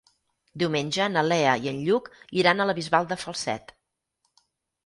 Diumenge na Lea i en Lluc iran a la Bisbal de Falset.